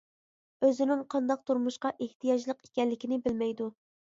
ئۆزىنىڭ قانداق تۇرمۇشقا ئېھتىياجلىق ئىكەنلىكىنى بىلمەيدۇ.